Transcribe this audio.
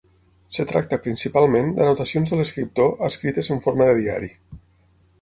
Es tracta principalment d'anotacions de l'escriptor escrites en forma de diari.